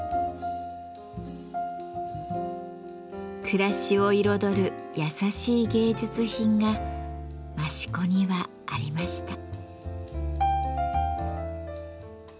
暮らしを彩る優しい芸術品が益子にはありました。